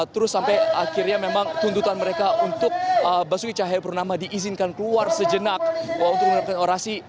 terus sampai akhirnya memang tuntutan mereka untuk basuki cahaya purnama diizinkan keluar sejenak untuk melakukan orasi